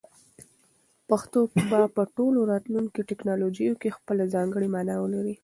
پښتو به په ټولو راتلونکو ټکنالوژیو کې خپله ځانګړې مانا ولري.